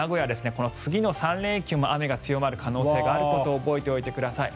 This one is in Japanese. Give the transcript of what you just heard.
この次の３連休も雨が強まる可能性があることを覚えておいてください。